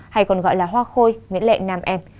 hay còn gọi là hoa khôi nguyễn lệ nam em